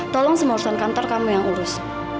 tolong semua urusan kantor kamu yang urus